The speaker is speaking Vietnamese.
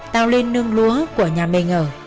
tao lên nương lúa của nhà mê ngờ